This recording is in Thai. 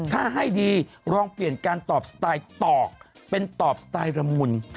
ถ้าให้ดีลองเปลี่ยนการตอบสไตล์ตอกเป็นตอบสไตล์ละมุน